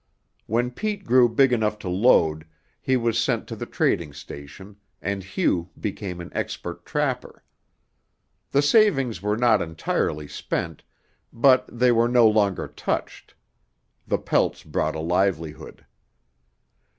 When Pete grew big enough to load, he was sent to the trading station, and Hugh became an expert trapper. The savings were not entirely spent, but they were no longer touched; the pelts brought a livelihood.